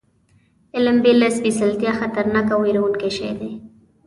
علم بې له سپېڅلتیا خطرناک او وېروونکی شی دی.